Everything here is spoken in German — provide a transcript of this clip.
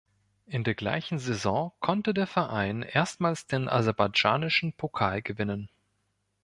In der gleichen Saison konnte der Verein erstmals den aserbaidschanischen Pokal gewinnen.